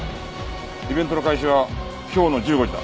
イベントの開始は今日の１５時だ。